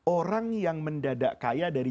orang yang mendadak kaya dari